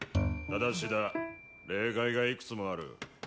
ただしだ例外がいくつもある。